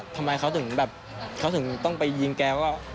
ทำไมเขาถึงแบบเขาถึงต้องไปยิงแกว่า